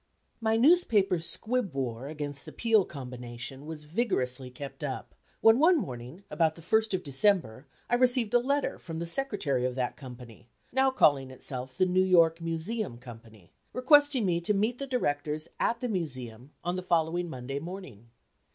My newspaper squib war against the Peale combination was vigorously kept up; when one morning, about the first of December, I received a letter from the Secretary of that company (now calling itself the "New York Museum Company,") requesting me to meet the directors at the Museum on the following Monday morning.